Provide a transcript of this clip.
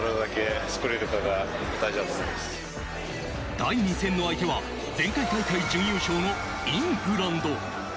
第２戦の相手は前回大会、準優勝のイングランド。